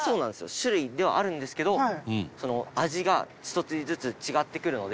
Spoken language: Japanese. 種類ではあるんですけど味が１つずつ違ってくるので。